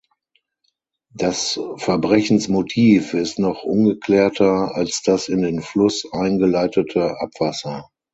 Das Verbrechensmotiv ist noch ungeklärter als das in den Fluss eingeleitete Abwasser.